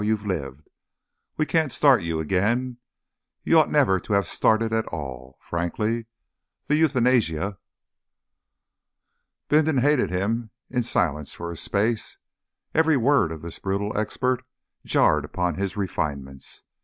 You've lived. We can't start you again. You ought never to have started at all. Frankly the Euthanasia!" Bindon hated him in silence for a space. Every word of this brutal expert jarred upon his refinements.